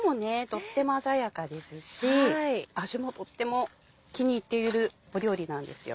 とっても鮮やかですし味もとっても気に入っている料理なんですよ。